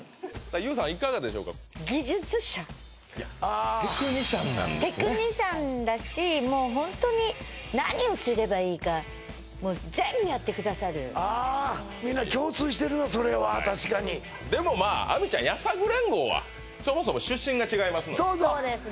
ＹＯＵさんはいかがでしょうかテクニシャンなんですねテクニシャンだしもうホントに何をすればいいかもう全部やってくださるあ共通してるなそれは確かにでもまあ亜美ちゃんやさぐ連合はそもそも出身が違いますのでそうですね